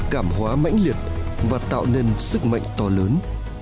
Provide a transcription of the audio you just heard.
cảm hóa mãnh liệt và tạo nên sức mạnh to lớn